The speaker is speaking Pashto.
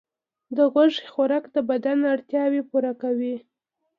د غوښې خوراک د بدن اړتیاوې پوره کوي.